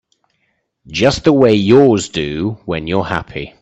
Just the way yours do when you're happy.